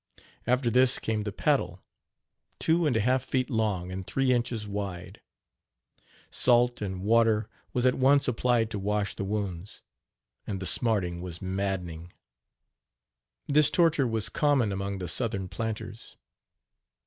After this came the paddle, two and a half feet long and three inches wide. Salt and water was at once applied to wash the wounds, and the smarting was maddening. This torture was common among the southern planters.